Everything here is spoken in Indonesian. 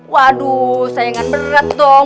waduh sayangan berat dong